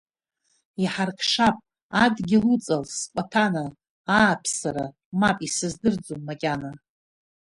Иҳаркшап, адгьыл уҵал, скәаҭана, ааԥсара, мап, исыздырӡом макьана.